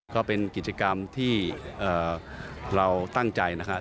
ก็เป็นกิจกรรมที่เราตั้งใจนะครับ